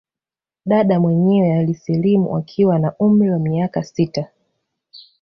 Dada mwenyewe alisilimu akiwa na umri wa miaka sita